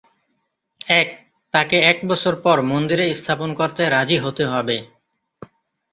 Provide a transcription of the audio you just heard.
এক, তাকে এক বছর পর মন্দিরে স্থাপন করতে রাজি হতে হবে।